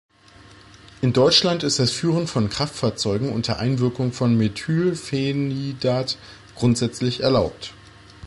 In Deutschland ist das Führen von Kraftfahrzeugen unter Einwirkung von Methylphenidat grundsätzlich erlaubt.